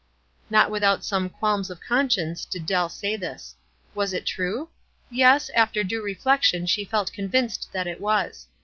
Not without some qualms of conscience did Dell say this. Was it true? Yes; after due reflection she felt convinced that it was.